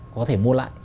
có thể mua lại